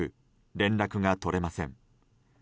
連絡が取れません。